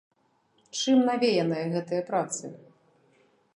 Чым навеяныя гэтыя працы?